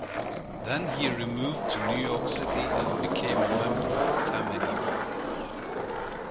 Then he removed to New York City and became a member of Tammany Hall.